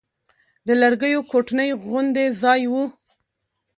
د لرګيو کوټنۍ غوندې ځاى و.